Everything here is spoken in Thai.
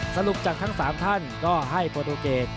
สรุปจากทั้ง๓ท่านก็ให้โปรตูเกต